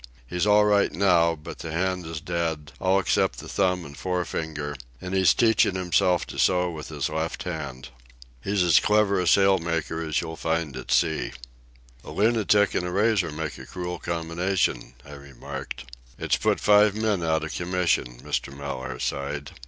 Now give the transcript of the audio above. He's all right now, but the hand is dead, all except the thumb and fore finger, and he's teaching himself to sew with his left hand. He's as clever a sail maker as you'll find at sea." "A lunatic and a razor make a cruel combination," I remarked. "It's put five men out of commission," Mr. Mellaire sighed.